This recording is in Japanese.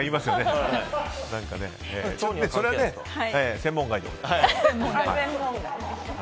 それは専門外です。